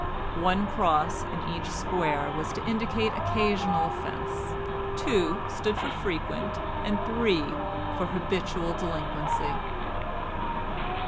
One cross in each square was to indicate occasional offence; two stood for frequent, and three for habitual delinquency.